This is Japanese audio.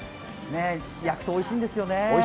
焼くとおいしいんですよね。